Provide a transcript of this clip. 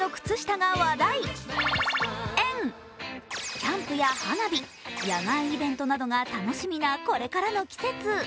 キャンプや花火、野外イベントなどが楽しみな、これからの季節。